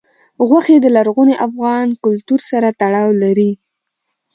غوښې د لرغوني افغان کلتور سره تړاو لري.